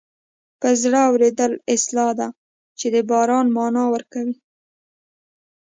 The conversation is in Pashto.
په زړه اورېدل اصطلاح ده چې د باران مانا ورکوي